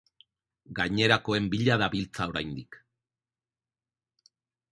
Gainerakoen bila dabiltza oraindik.